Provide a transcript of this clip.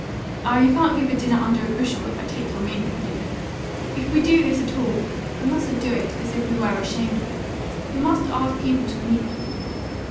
"Ah, you can't give a dinner under a bushel, if I take your meaning, my dear. If we do this at all, we mustn't do it as if we were ashamed of it. We must ask people to meet them."